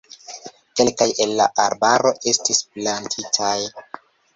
Kelkaj el la arbaro estis plantitaj.